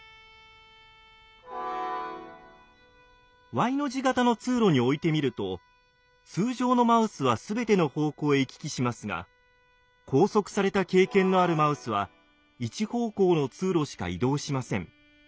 Ｙの字型の通路に置いてみると通常のマウスは全ての方向へ行き来しますが拘束された経験のあるマウスは一方向の通路しか移動しません。